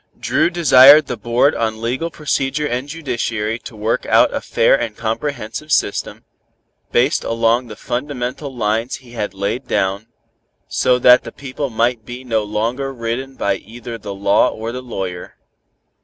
Dru desired the Board on Legal Procedure and Judiciary to work out a fair and comprehensive system, based along the fundamental lines he had laid down, so that the people might be no longer ridden by either the law or the lawyer.